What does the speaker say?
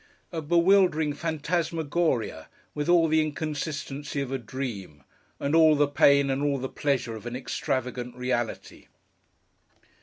A bewildering phantasmagoria, with all the inconsistency of a dream, and all the pain and all the pleasure of an extravagant reality!